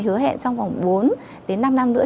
hứa hẹn trong vòng bốn đến năm năm nữa